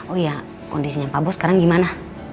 oh ya kondisinya kak bos sekarang gimana